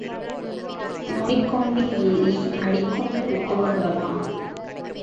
நுனிக்கொம்பில் ஏறி அடிக்கொம்பு வெட்டுவார்களா?